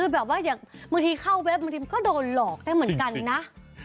บางทีเข้าเว็บก็โดนหลอกได้เหมือนกันนะ